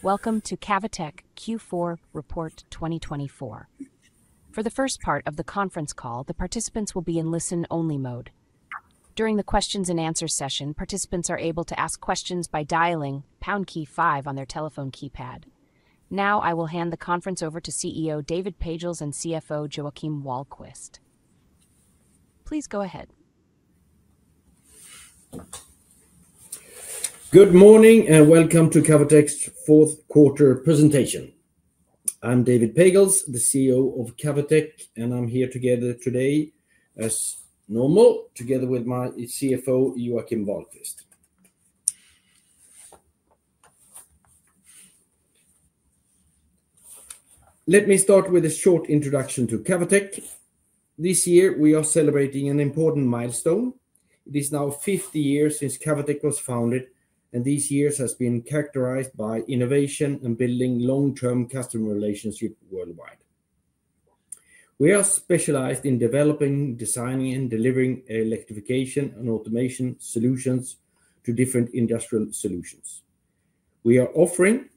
Welcome to Cavotec Q4 Report 2024. For the first part of the conference call, the participants will be in listen-only mode. During the questions-and-answers session, participants are able to ask questions by dialing pound key five on their telephone keypad. Now, I will hand the conference over to CEO David Pagels and CFO Joakim Wahlquist. Please go ahead. Good morning and welcome to Cavotec's fourth quarter presentation. I'm David Pagels, the CEO of Cavotec, and I'm here together today, as normal, together with my CFO, Joakim Wahlquist. Let me start with a short introduction to Cavotec. This year, we are celebrating an important milestone. It is now 50 years since Cavotec was founded, and these years have been characterized by innovation and building long-term customer relationships worldwide. We are specialized in developing, designing, and delivering electrification and automation solutions to different industrial solutions. We are offering—with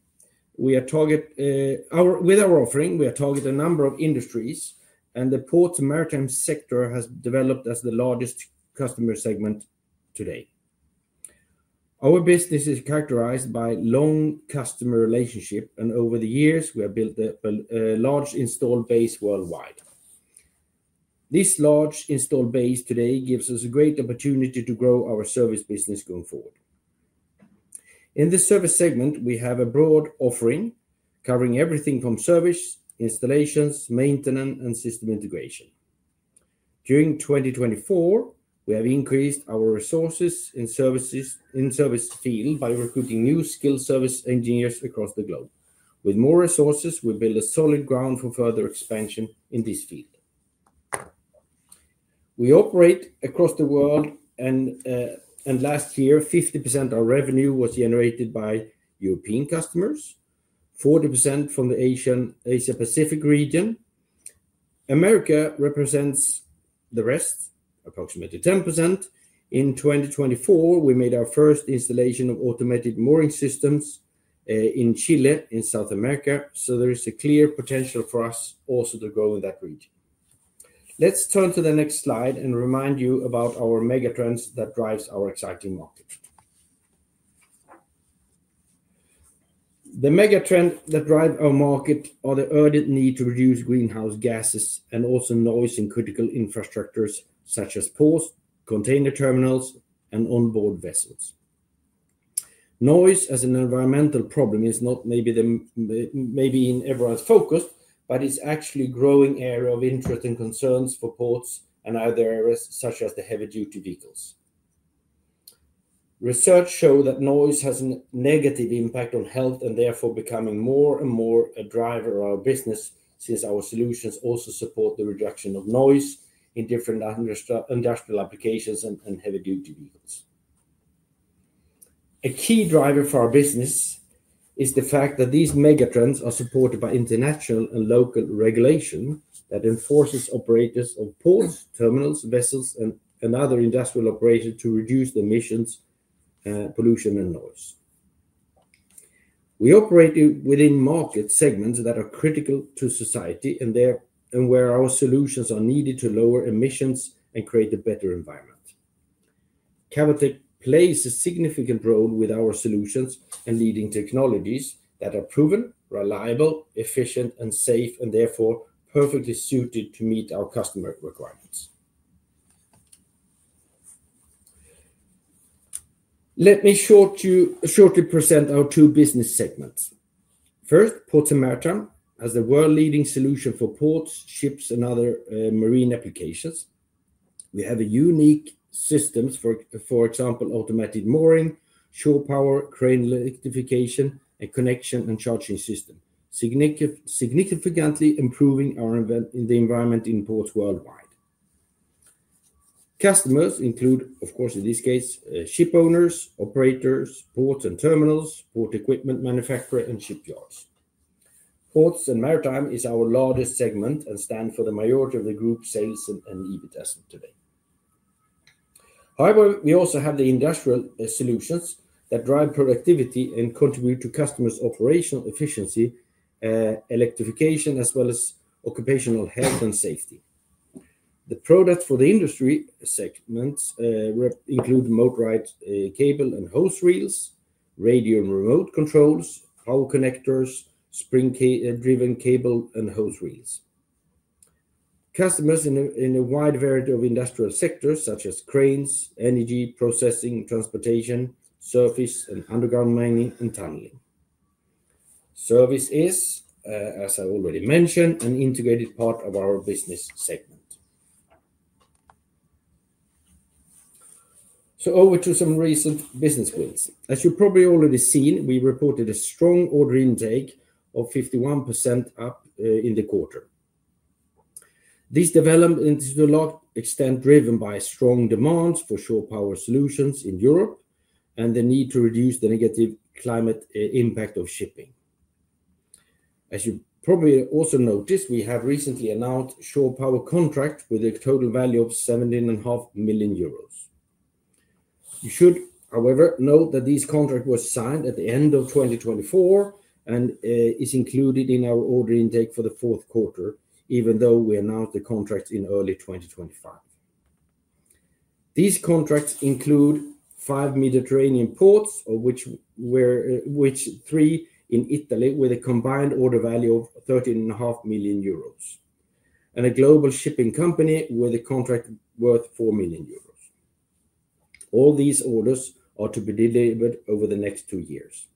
our offering, we are targeting a number of industries, and the ports and maritime sector has developed as the largest customer segment today. Our business is characterized by long customer relationships, and over the years, we have built a large install base worldwide. This large install base today gives us a great opportunity to grow our service business going forward. In the service segment, we have a broad offering covering everything from service, installations, maintenance, and system integration. During 2024, we have increased our resources in the service field by recruiting new skilled service engineers across the globe. With more resources, we build a solid ground for further expansion in this field. We operate across the world, and last year, 50% of our revenue was generated by European customers, 40% from the Asia-Pacific region. America represents the rest, approximately 10%. In 2024, we made our first installation of automated mooring systems in Chile in South America, so there is a clear potential for us also to grow in that region. Let's turn to the next slide and remind you about our megatrends that drive our exciting market. The megatrends that drive our market are the urgent need to reduce greenhouse gases and also noise in critical infrastructures such as ports, container terminals, and onboard vessels. Noise as an environmental problem is not maybe in everyone's focus, but it's actually a growing area of interest and concern for ports and other areas such as the heavy-duty vehicles. Research shows that noise has a negative impact on health and therefore becoming more and more a driver of our business since our solutions also support the reduction of noise in different industrial applications and heavy-duty vehicles. A key driver for our business is the fact that these megatrends are supported by international and local regulation that enforces operators of ports, terminals, vessels, and other industrial operators to reduce emissions, pollution, and noise. We operate within market segments that are critical to society and where our solutions are needed to lower emissions and create a better environment. Cavotec plays a significant role with our solutions and leading technologies that are proven, reliable, efficient, and safe, and therefore perfectly suited to meet our customer requirements. Let me shortly present our two business segments. First, ports and maritime as a world-leading solution for ports, ships, and other marine applications. We have unique systems, for example, automated mooring, shore power, crane electrification, and connection and charging system, significantly improving the environment in ports worldwide. Customers include, of course, in this case, ship owners, operators, ports and terminals, port equipment manufacturers, and shipyards. Ports and maritime is our largest segment and stand for the majority of the group sales and EBITDA today. However, we also have the industrial solutions that drive productivity and contribute to customers' operational efficiency, electrification, as well as occupational health and safety. The products for the Industry segments include motorized cable and hose reels, radio and remote controls, power connectors, spring-driven cable and hose reels. Customers in a wide variety of industrial sectors such as cranes, energy processing, transportation, surface and underground mining and tunneling. Service is, as I already mentioned, an integrated part of our business segment. Over to some recent business gains. As you've probably already seen, we reported a strong order intake of 51% up in the quarter. This development is to a large extent driven by strong demands for shore power solutions in Europe and the need to reduce the negative climate impact of shipping. As you probably also noticed, we have recently announced shore power contracts with a total value of 17.5 million euros. You should, however, note that this contract was signed at the end of 2024 and is included in our order intake for the fourth quarter, even though we announced the contract in early 2025. These contracts include five Mediterranean ports, of which three in Italy with a combined order value of 13.5 million euros, and a global shipping company with a contract worth 4 million euros. All these orders are to be delivered over the next two years.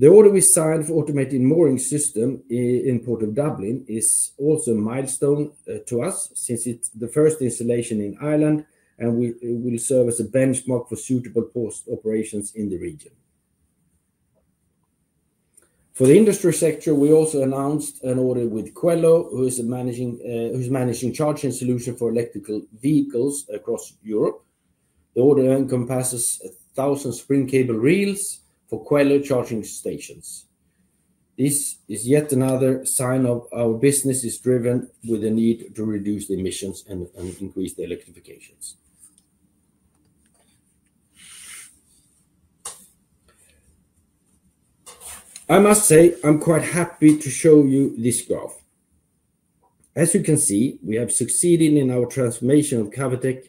The order we signed for automated mooring system in Port of Dublin is also a milestone to us since it's the first installation in Ireland and will serve as a benchmark for suitable port operations in the region. For the Industry sector, we also announced an order with Qwello, who is managing charging solutions for electrical vehicles across Europe. The order encompasses 1,000 spring cable reels for Qwello charging stations. This is yet another sign our business is driven with the need to reduce emissions and increase the electrifications. I must say I'm quite happy to show you this graph. As you can see, we have succeeded in our transformation of Cavotec,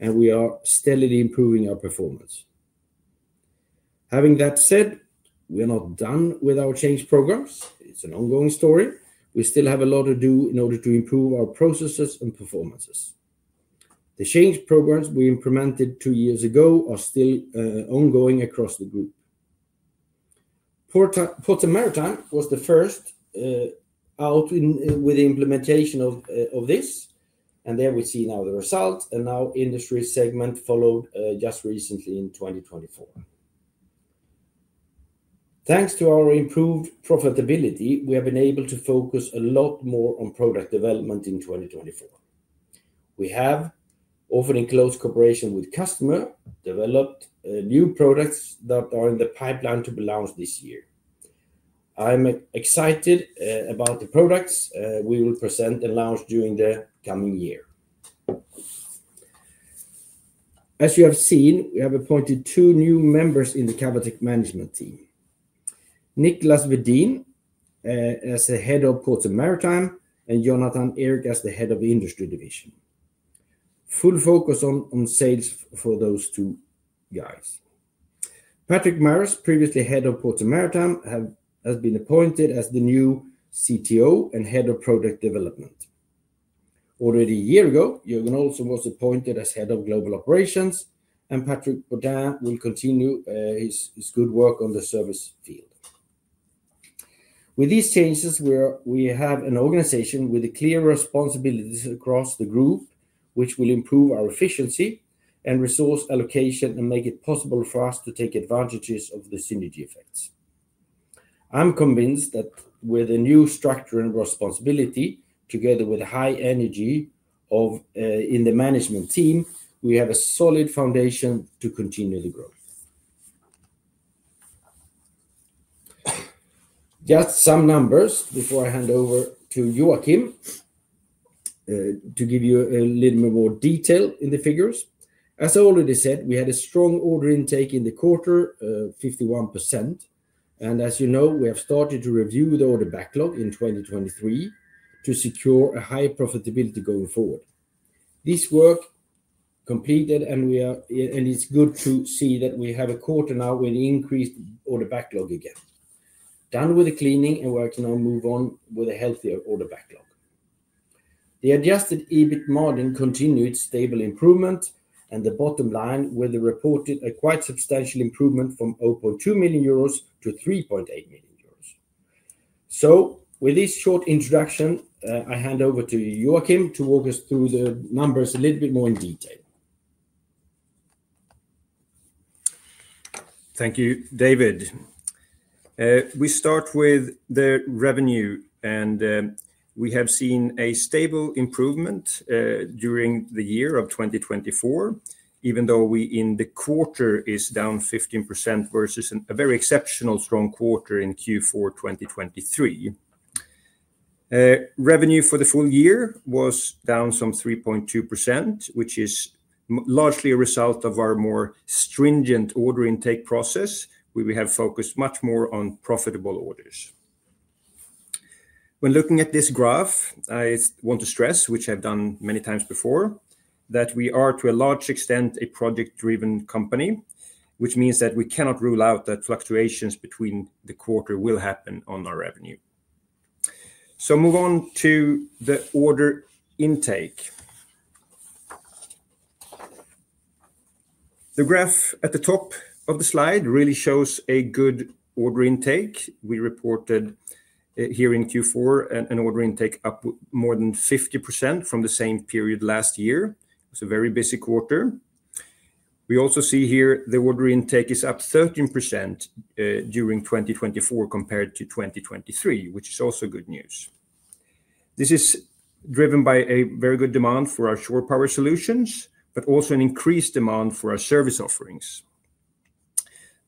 and we are steadily improving our performance. Having that said, we are not done with our change programs. It's an ongoing story. We still have a lot to do in order to improve our processes and performances. The change programs we implemented two years ago are still ongoing across the group. Ports and Maritime was the first out with the implementation of this, and there we see now the result, and now Industry segment followed just recently in 2024. Thanks to our improved profitability, we have been able to focus a lot more on product development in 2024. We have, offering close cooperation with customers, developed new products that are in the pipeline to be launched this year. I'm excited about the products we will present and launch during the coming year. As you have seen, we have appointed two new members in the Cavotec management team: Nicklas Vedin as the Head of Ports and Maritime and Jonathan Eriksson as the Head of the Industry Division. Full focus on sales for those two guys. Patrick Mares, previously Head of Ports and Maritime, has been appointed as the new CTO and Head of Product Development. Already a year ago, Jörgen Ohlsson was appointed as Head of Global Operations, and Patrick Baudin will continue his good work on the service field. With these changes, we have an organization with clear responsibilities across the group, which will improve our efficiency and resource allocation and make it possible for us to take advantages of the synergy effects. I'm convinced that with a new structure and responsibility, together with high energy in the management team, we have a solid foundation to continue the growth. Just some numbers before I hand over to Joakim to give you a little bit more detail in the figures. As I already said, we had a strong order intake in the quarter, 51%, and as you know, we have started to review the order backlog in 2023 to secure a higher profitability going forward. This work completed, and it's good to see that we have a quarter now with increased order backlog again. Done with the cleaning and we can now move on with a healthier order backlog. The adjusted EBIT margin continued stable improvement, and the bottom line with the reported quite substantial improvement from 0.2 million euros to 3.8 million euros. With this short introduction, I hand over to Joakim to walk us through the numbers a little bit more in detail. Thank you, David. We start with the revenue, and we have seen a stable improvement during the year of 2024, even though we in the quarter are down 15% versus a very exceptionally strong quarter in Q4 2023. Revenue for the full year was down some 3.2%, which is largely a result of our more stringent order intake process. We have focused much more on profitable orders. When looking at this graph, I want to stress, which I've done many times before, that we are to a large extent a project-driven company, which means that we cannot rule out that fluctuations between the quarter will happen on our revenue. Move on to the order intake. The graph at the top of the slide really shows a good order intake. We reported here in Q4 an order intake up more than 50% from the same period last year. It was a very busy quarter. We also see here the order intake is up 13% during 2024 compared to 2023, which is also good news. This is driven by a very good demand for our shore power solutions, but also an increased demand for our service offerings.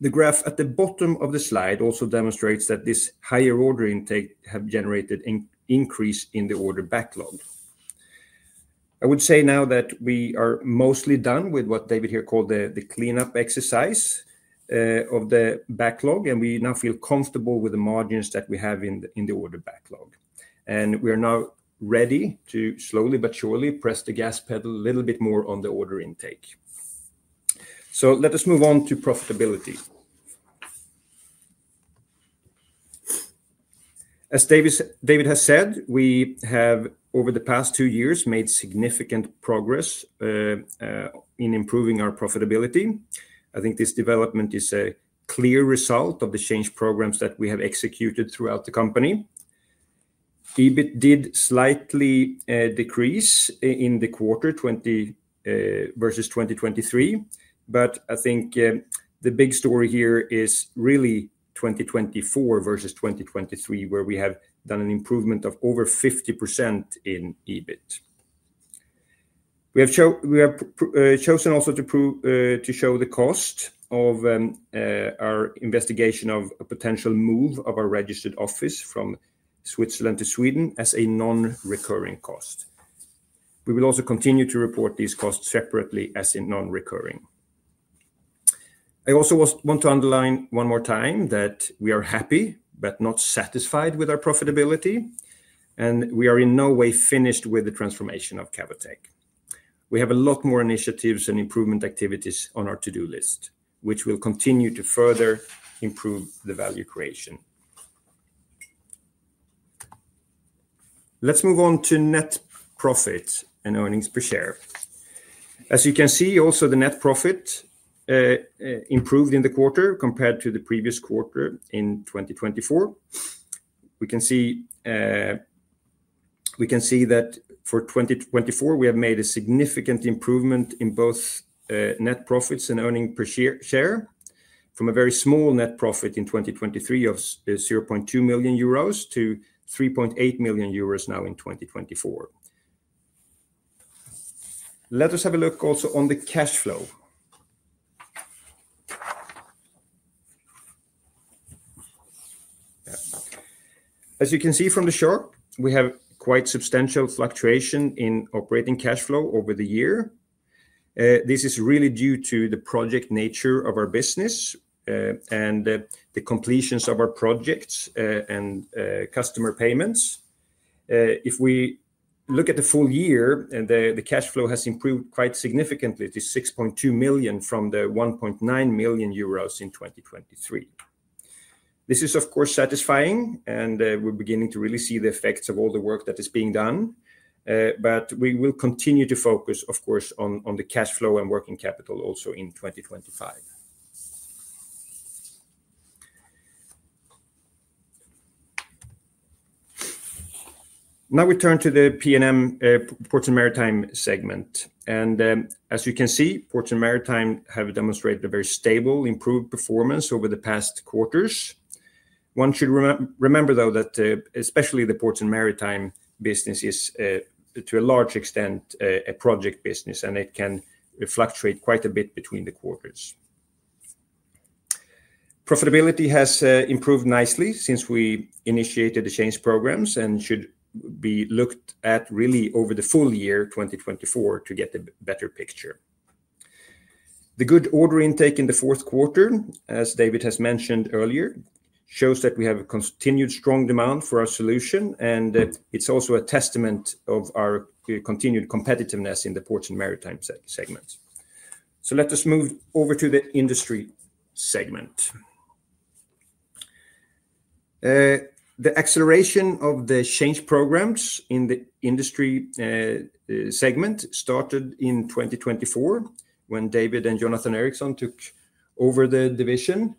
The graph at the bottom of the slide also demonstrates that this higher order intake has generated an increase in the order backlog. I would say now that we are mostly done with what David here called the cleanup exercise of the backlog, and we now feel comfortable with the margins that we have in the order backlog. We are now ready to slowly but surely press the gas pedal a little bit more on the order intake. Let us move on to profitability. As David has said, we have over the past two years made significant progress in improving our profitability. I think this development is a clear result of the change programs that we have executed throughout the company. EBIT did slightly decrease in the quarter versus 2023, but I think the big story here is really 2024 versus 2023, where we have done an improvement of over 50% in EBIT. We have chosen also to show the cost of our investigation of a potential move of our registered office from Switzerland to Sweden as a non-recurring cost. We will also continue to report these costs separately as a non-recurring. I also want to underline one more time that we are happy, but not satisfied with our profitability, and we are in no way finished with the transformation of Cavotec. We have a lot more initiatives and improvement activities on our to-do list, which will continue to further improve the value creation. Let's move on to net profit and earnings per share. As you can see, also the net profit improved in the quarter compared to the previous quarter in 2024. We can see that for 2024, we have made a significant improvement in both net profits and earnings per share from a very small net profit in 2023 of 0.2 million euros to 3.8 million euros now in 2024. Let us have a look also on the cash flow. As you can see from the chart, we have quite substantial fluctuation in operating cash flow over the year. This is really due to the project nature of our business and the completions of our projects and customer payments. If we look at the full year, the cash flow has improved quite significantly to 6.2 million from the 1.9 million euros in 2023. This is, of course, satisfying, and we're beginning to really see the effects of all the work that is being done, but we will continue to focus, of course, on the cash flow and working capital also in 2025. Now we turn to the P&M Ports and Maritime segment. As you can see, Ports and Maritime have demonstrated a very stable, improved performance over the past quarters. One should remember, though, that especially the Ports and Maritime business is to a large extent a project business, and it can fluctuate quite a bit between the quarters. Profitability has improved nicely since we initiated the change programs and should be looked at really over the full year 2024 to get a better picture. The good order intake in the fourth quarter, as David has mentioned earlier, shows that we have a continued strong demand for our solution, and it's also a testament of our continued competitiveness in the Ports and Maritime segment. Let us move over to the Industry segment. The acceleration of the change programs in the Industry segment started in 2024 when David and Jonathan Eriksson took over the division,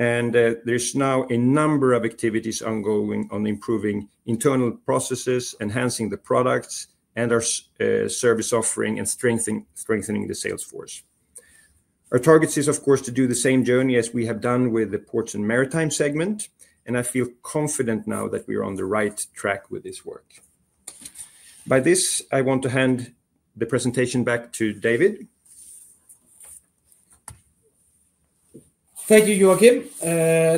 and there's now a number of activities ongoing on improving internal processes, enhancing the products, and our service offering and strengthening the sales force. Our target is, of course, to do the same journey as we have done with the Ports and Maritime segment, and I feel confident now that we are on the right track with this work. By this, I want to hand the presentation back to David. Thank you, Joakim.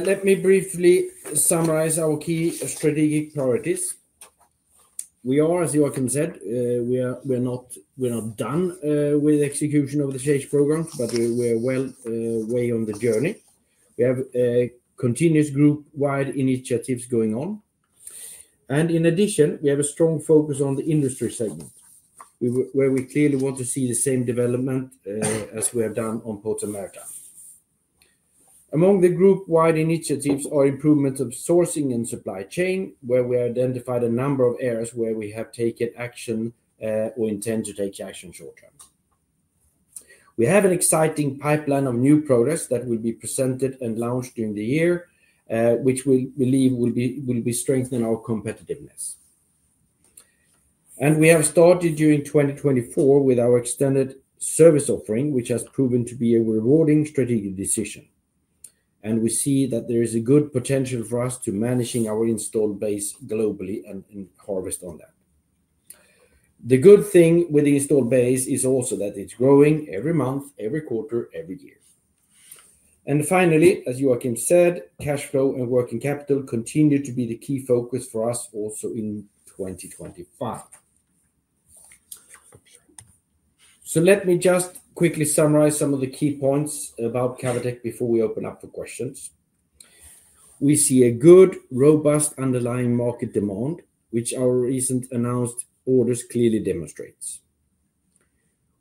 Let me briefly summarize our key strategic priorities. We are, as Joakim said, we are not done with the execution of the change program, but we are well on the way on the journey. We have continuous group-wide initiatives going on. In addition, we have a strong focus on the Industry segment, where we clearly want to see the same development as we have done on Ports and Maritime. Among the group-wide initiatives are improvements of sourcing and supply chain, where we identified a number of areas where we have taken action or intend to take action short term. We have an exciting pipeline of new products that will be presented and launched during the year, which we believe will strengthen our competitiveness. We have started during 2024 with our extended service offering, which has proven to be a rewarding strategic decision. We see that there is a good potential for us to manage our installed base globally and harvest on that. The good thing with the installed base is also that it's growing every month, every quarter, every year. Finally, as Joakim said, cash flow and working capital continue to be the key focus for us also in 2025. Let me just quickly summarize some of the key points about Cavotec before we open up for questions. We see a good, robust underlying market demand, which our recent announced orders clearly demonstrates.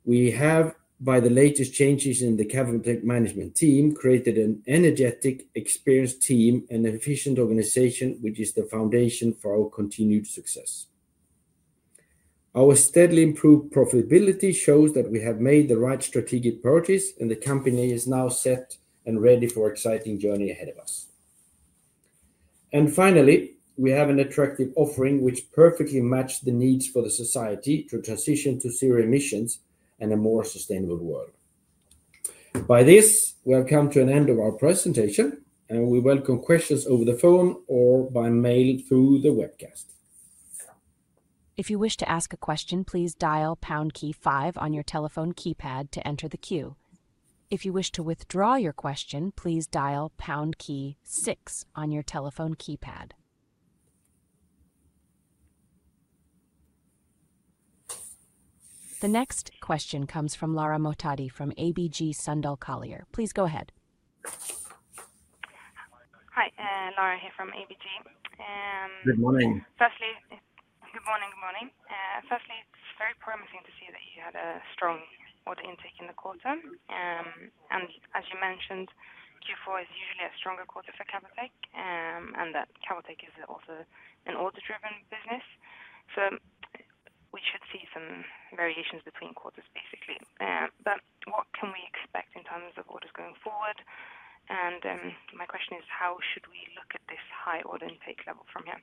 We have, by the latest changes in the Cavotec management team, created an energetic, experienced team, and efficient organization, which is the foundation for our continued success. Our steadily improved profitability shows that we have made the right strategic purchase, and the company is now set and ready for an exciting journey ahead of us. We have an attractive offering which perfectly matches the needs for the society to transition to zero emissions and a more sustainable world. By this, we have come to an end of our presentation, and we welcome questions over the phone or by mail through the webcast. If you wish to ask a question, please dial pound key five on your telephone keypad to enter the queue. If you wish to withdraw your question, please dial pound key six on your telephone keypad. The next question comes from Lara Mohtadi from ABG Sundal Collier. Please go ahead. Hi, Lara here from ABG. Good morning. Good morning. Good morning. Firstly, it's very promising to see that you had a strong order intake in the quarter. As you mentioned, Q4 is usually a stronger quarter for Cavotec, and that Cavotec is also an order-driven business. We should see some variations between quarters, basically. What can we expect in terms of orders going forward? My question is, how should we look at this high order intake level from here?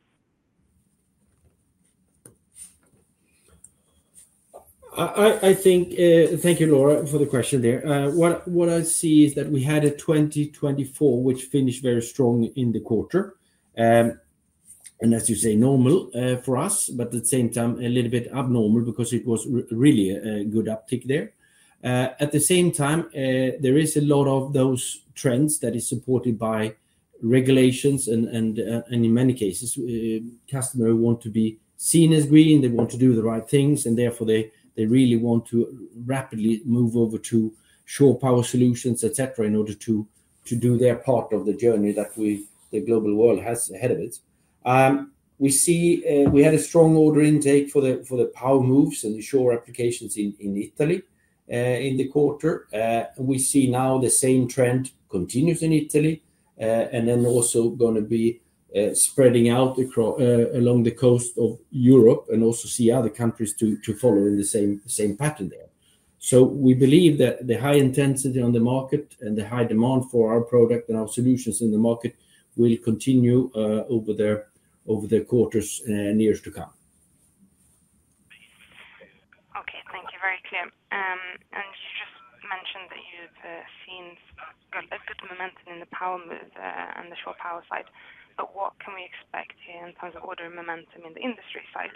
I think, thank you, Lara, for the question there. What I see is that we had a 2024 which finished very strong in the quarter, and as you say, normal for us, but at the same time, a little bit abnormal because it was really a good uptick there. At the same time, there is a lot of those trends that are supported by regulations, and in many cases, customers want to be seen as green. They want to do the right things, and therefore, they really want to rapidly move over to shore power solutions, etc., in order to do their part of the journey that the global world has ahead of it. We see we had a strong order intake for the PowerMove and the shore applications in Italy in the quarter. We see now the same trend continues in Italy, and then also going to be spreading out along the coast of Europe and also see other countries to follow in the same pattern there. We believe that the high intensity on the market and the high demand for our product and our solutions in the market will continue over the quarters and years to come. Okay, thank you, very clear. You just mentioned that you've seen a good momentum in the PowerMove and the shore power side. What can we expect here in terms of order momentum in the Industry side?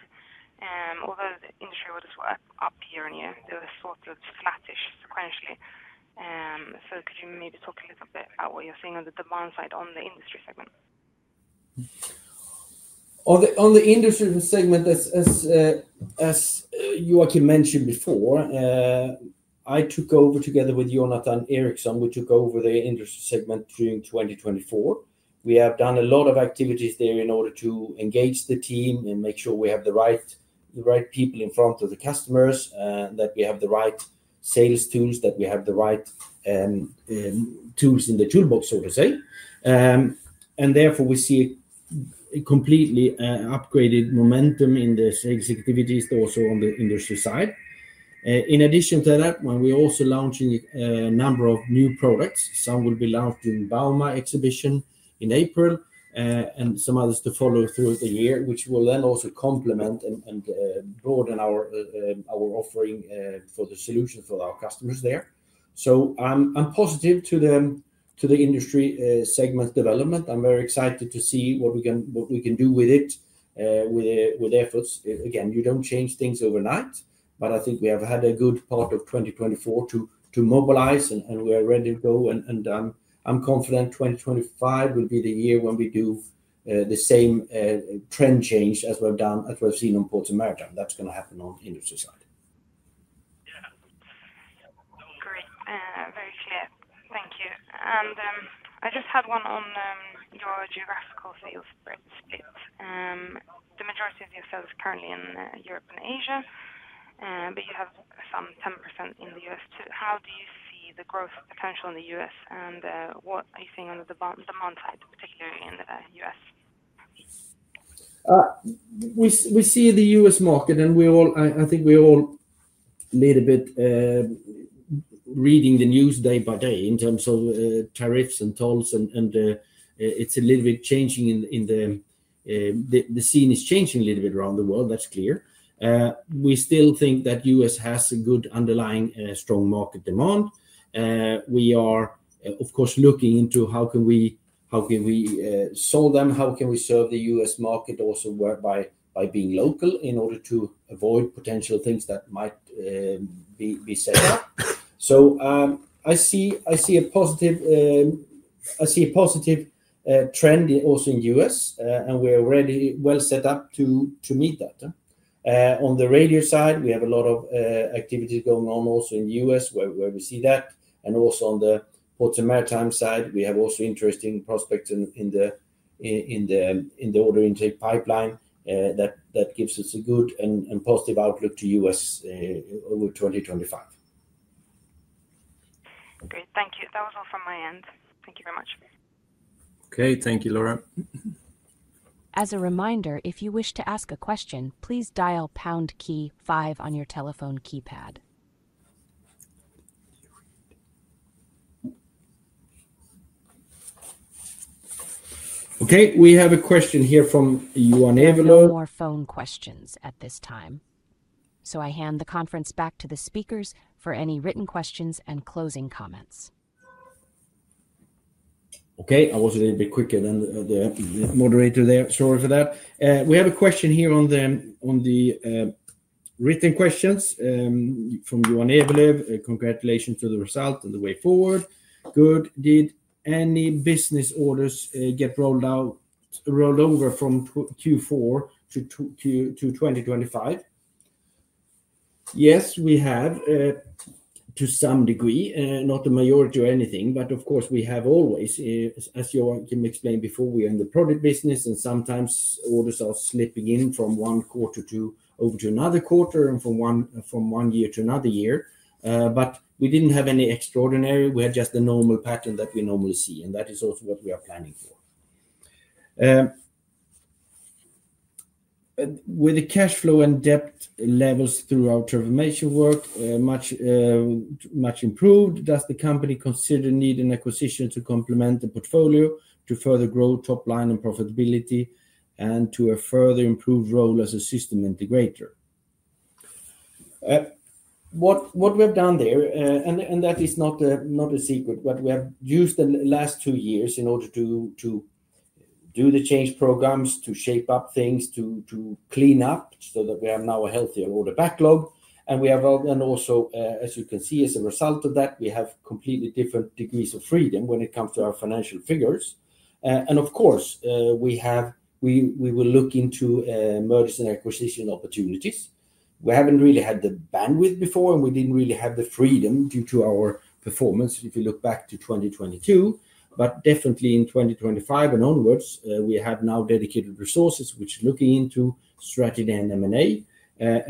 Although the Industry orders were up year on year, they were sort of flattish sequentially. Could you maybe talk a little bit about what you're seeing on the demand side on the Industry segment? On the Industry segment, as Joakim mentioned before, I took over together with Jonathan Eriksson. We took over the Industry segment during 2024. We have done a lot of activities there in order to engage the team and make sure we have the right people in front of the customers, that we have the right sales tools, that we have the right tools in the toolbox, so to say. Therefore, we see a completely upgraded momentum in the sales activities, also on the Industry side. In addition to that, we're also launching a number of new products. Some will be launched during the Bauma exhibition in April, and some others to follow through the year, which will then also complement and broaden our offering for the solutions for our customers there. I am positive to the Industry segment development. I'm very excited to see what we can do with it with efforts. Again, you don't change things overnight, but I think we have had a good part of 2024 to mobilize, and we are ready to go. I'm confident 2025 will be the year when we do the same trend change as we've seen on Ports and Maritime. That's going to happen on the Industry side. Great. Very clear. Thank you. I just had one on your geographical sales split. The majority of your sales is currently in Europe and Asia, but you have some 10% in the U.S. too. How do you see the growth potential in the U.S., and what are you seeing on the demand side, particularly in the U.S.? We see the U.S. market, and I think we all need a bit reading the news day by day in terms of tariffs and tolls, and it's a little bit changing in the scene is changing a little bit around the world. That's clear. We still think that the U.S. has a good underlying strong market demand. We are, of course, looking into how can we sell them, how can we serve the U.S. market also by being local in order to avoid potential things that might be set up. I see a positive trend also in the U.S., and we are already well set up to meet that. On the radio side, we have a lot of activities going on also in the U.S. where we see that. Also on the Ports and Maritime side, we have also interesting prospects in the order intake pipeline that gives us a good and positive outlook to the US over 2025. Great. Thank you. That was all from my end. Thank you very much. Okay. Thank you, Lara. As a reminder, if you wish to ask a question, please dial pound key five on your telephone keypad. Okay. We have a question here from [Yuan Evely]. No more phone questions at this time. I hand the conference back to the speakers for any written questions and closing comments. Okay. I was a little bit quicker than the moderator there. Sorry for that. We have a question here on the written questions from [Yuan Evely]. Congratulations to the result and the way forward. Good. Did any business orders get rolled over from Q4 to 2025? Yes, we have to some degree, not a majority or anything, but of course, we have always, as Joakim explained before, we are in the product business, and sometimes orders are slipping in from one quarter to over to another quarter and from one year to another year. We did not have any extraordinary. We had just the normal pattern that we normally see, and that is also what we are planning for. With the cash flow and debt levels through our transformation work much improved, does the company consider needing acquisition to complement the portfolio to further grow top line and profitability and to a further improved role as a system integrator? What we have done there, and that is not a secret, but we have used the last two years in order to do the change programs, to shape up things, to clean up so that we have now a healthier order backlog. We have also, as you can see, as a result of that, we have completely different degrees of freedom when it comes to our financial figures. Of course, we will look into mergers and acquisition opportunities. We haven't really had the bandwidth before, and we didn't really have the freedom due to our performance if you look back to 2022. Definitely in 2025 and onwards, we have now dedicated resources which are looking into strategy and M&A.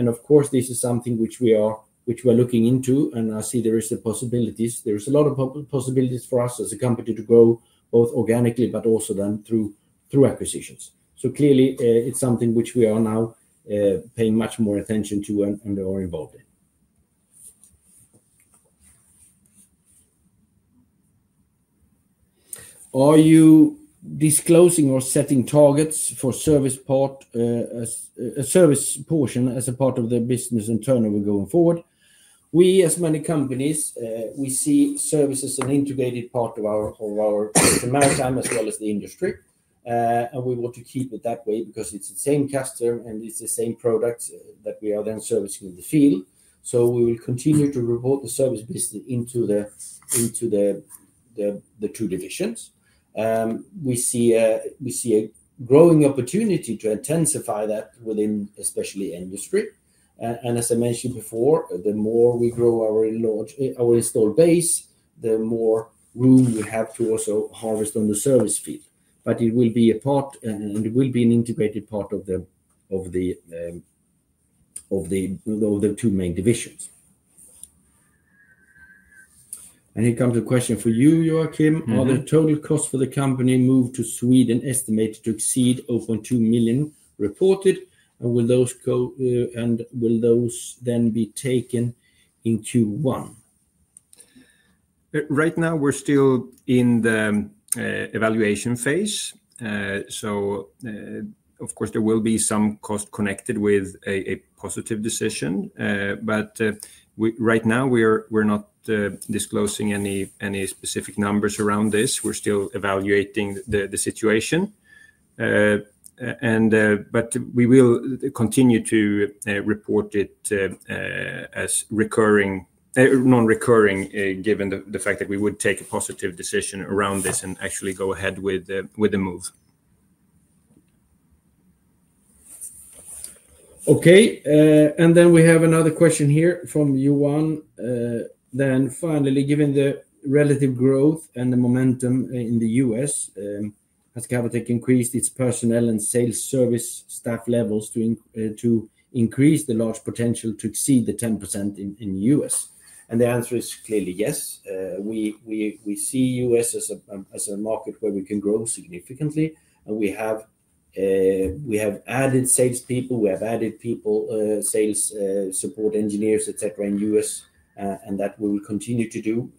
Of course, this is something which we are looking into, and I see there are the possibilities. There are a lot of possibilities for us as a company to grow both organically, but also then through acquisitions. Clearly, it's something which we are now paying much more attention to and are involved in. Are you disclosing or setting targets for service portion as a part of the business internally going forward? We, as many companies, we see service as an integrated part of our Ports and Maritime as well as the Industry. We want to keep it that way because it's the same customer and it's the same products that we are then servicing in the field. We will continue to report the service business into the two divisions. We see a growing opportunity to intensify that within especially Industry. As I mentioned before, the more we grow our installed base, the more room we have to also harvest on the service field. It will be a part, and it will be an integrated part of the two main divisions. Here comes a question for you, Joakim. Are the total costs for the company move to Sweden estimated to exceed 0.2 million reported? Will those then be taken in Q1? Right now, we're still in the evaluation phase. Of course, there will be some cost connected with a positive decision. Right now, we're not disclosing any specific numbers around this. We're still evaluating the situation. We will continue to report it as non-recurring, given the fact that we would take a positive decision around this and actually go ahead with the move. Okay. We have another question here from [Yuan]. Finally, given the relative growth and the momentum in the U.S., has Cavotec increased its personnel and sales service staff levels to increase the large potential to exceed the 10% in the U.S? The answer is clearly yes. We see the U.S. as a market where we can grow significantly, and we have added salespeople. We have added people, sales support engineers, etc., in the US, and that we will continue to do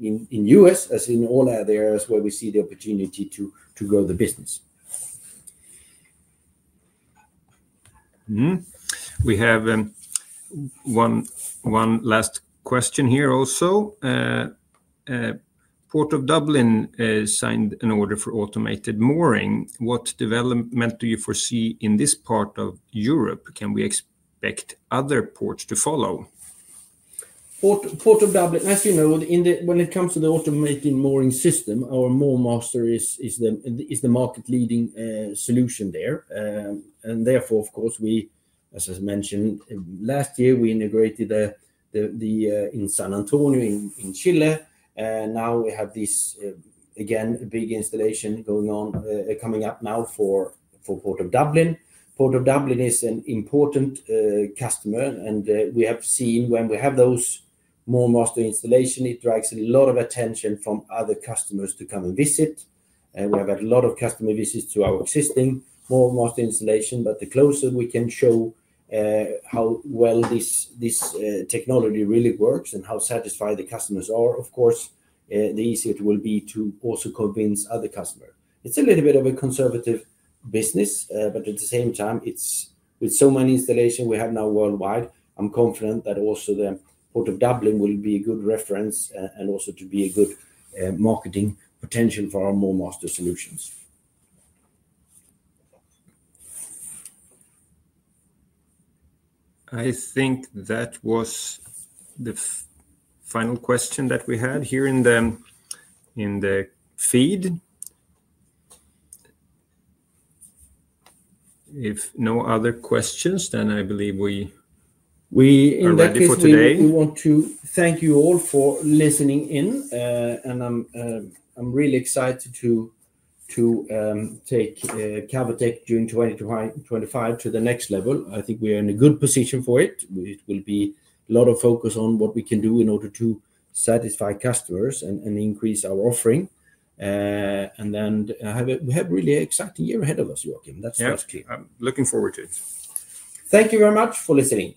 in the U.S., as in all other areas where we see the opportunity to grow the business. We have one last question here also. Port of Dublin signed an order for automated mooring. What development do you foresee in this part of Europe? Can we expect other ports to follow? Port of Dublin, as you know, when it comes to the automated mooring system, our MoorMaster is the market-leading solution there. Therefore, of course, as I mentioned last year, we integrated in San Antonio in Chile. Now we have this, again, big installation coming up now for Port of Dublin. Port of Dublin is an important customer, and we have seen when we have those MoorMaster installations, it drags a lot of attention from other customers to come and visit. We have had a lot of customer visits to our existing MoorMaster installation, but the closer we can show how well this technology really works and how satisfied the customers are, of course, the easier it will be to also convince other customers. It's a little bit of a conservative business, but at the same time, with so many installations we have now worldwide, I'm confident that also Port of Dublin will be a good reference and also to be a good marketing potential for our MoorMaster solutions. I think that was the final question that we had here in the feed. If no other questions, then I believe we are ready for today. We want to thank you all for listening in, and I'm really excited to take Cavotec during 2025 to the next level. I think we are in a good position for it. It will be a lot of focus on what we can do in order to satisfy customers and increase our offering. We have really an exciting year ahead of us, Joakim. That's clear. Yes. I'm looking forward to it. Thank you very much for listening.